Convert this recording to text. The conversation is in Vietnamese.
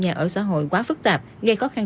nhà ở xã hội quá phức tạp gây khó khăn